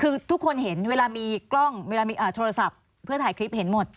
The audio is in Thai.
คือทุกคนเห็นเวลามีกล้องเวลามีโทรศัพท์เพื่อถ่ายคลิปเห็นหมด